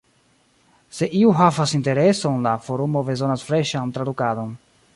Se iu havas intereson, la forumo bezonas freŝan tradukadon.